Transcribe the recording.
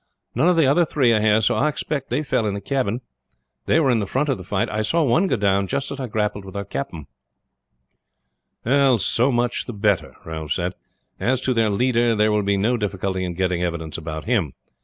"None of the other three are here, so I expect they fell in the cabin. They were in the front of the fight. I saw one go down just as I grappled with our captain." "So much the better," Ralph said. "As to their leader, there will be no difficulty in getting evidence about him.